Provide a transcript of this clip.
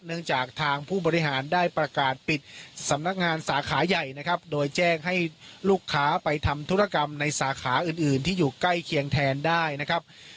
จากทางผู้บริหารได้ประกาศปิดสำนักงานสาขาใหญ่นะครับโดยแจ้งให้ลูกค้าไปทำธุรกรรมในสาขาอื่นอื่นที่อยู่ใกล้เคียงแทนได้นะครับ